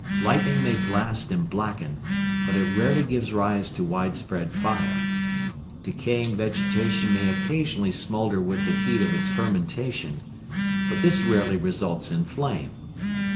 Lightning may blast and blacken, but it rarely gives rise to widespread fire. Decaying vegetation may occasionally smoulder with the heat of its fermentation, but this rarely results in flame.